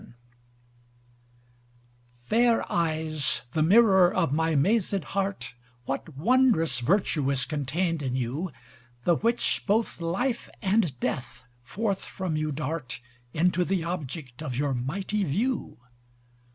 VII Fair eyes, the mirror of my mazed heart, What wondrous virtue is contained in you, The which both life and death forth from you dart Into the object of your mighty view?